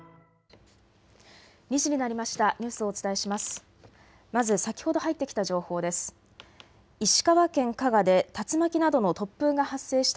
２時になりました。